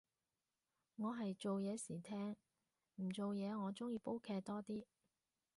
我係做嘢時聽，唔做嘢我鍾意煲劇多啲